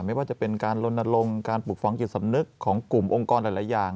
ไม่ว่าจะเป็นการลนลงการปลูกฝังจิตสำนึกของกลุ่มองค์กรหลายอย่าง